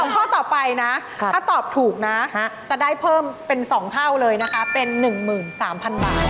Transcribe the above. ข้อต่อไปนะถ้าตอบถูกนะจะได้เพิ่มเป็น๒เท่าเลยนะคะเป็น๑๓๐๐๐บาท